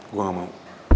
gue gak mau